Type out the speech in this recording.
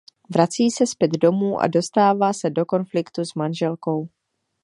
Vrací se zpět domů a dostává se do konfliktu s manželkou.